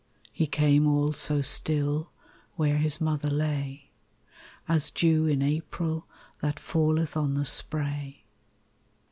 He came all so still Where His mother lay, As dew in April That falleth on the spray.